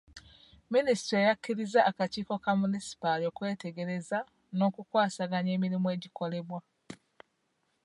Minisitule yakkiriza akakiiko ka munisipaali okwetegereza n'okukwasaganya emirimu egikolebwa.